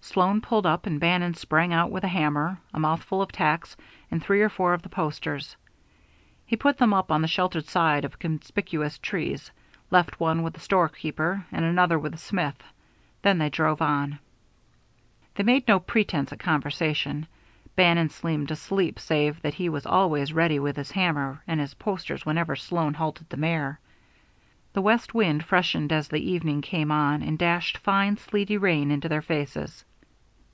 Sloan pulled up and Bannon sprang out with a hammer, a mouthful of tacks, and three or four of the posters. He put them up on the sheltered side of conspicuous trees, left one with the storekeeper, and another with the smith. Then they drove on. They made no pretence at conversation. Bannon seemed asleep save that he was always ready with his hammer and his posters whenever Sloan halted the mare. The west wind freshened as the evening came on and dashed fine, sleety rain into their faces.